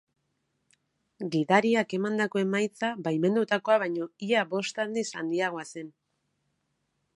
Gidariak emandako emaitza baimendutakoa baino ia bost aldiz handiagoa zen.